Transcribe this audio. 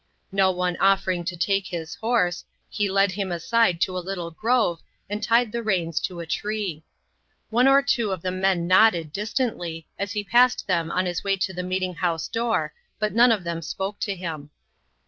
No one offering to take his horse, he led him aside to a little grove and tied the reins to a tree. One or two of the men nodded, distantly, as he passed them on his way to the meeting house door, but none of them spoke to him.